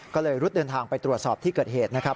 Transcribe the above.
ก็เลยรุดเดินทางไปตรวจสอบที่เกิดเหตุนะครับ